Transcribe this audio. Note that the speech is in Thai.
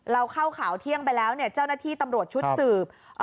เราเข้าข่าวเที่ยงไปแล้วเนี่ยเจ้าหน้าที่ตำรวจชุดสืบ